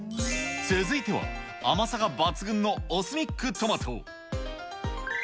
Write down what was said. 続いては、甘さが抜群のオスミックトマト。